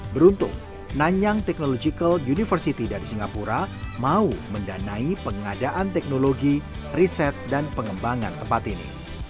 beruntung nanyang technological university dari singapura mau mendanai pengadaan teknologi riset dan pengembangan tempat ini